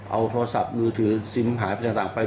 เอาโทรศัพท์มือถือซิมหายไปต่างไป